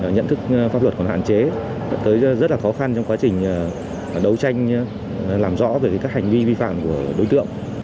nhận thức pháp luật còn hạn chế dẫn tới rất là khó khăn trong quá trình đấu tranh làm rõ về các hành vi vi phạm của đối tượng